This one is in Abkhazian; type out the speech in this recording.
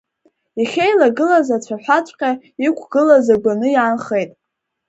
Иахьеилагылаз ацәаҳәаҵәҟьа иқәгылаз агәаны иаанхеит.